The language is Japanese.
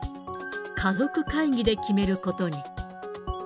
家族会議で決めることに。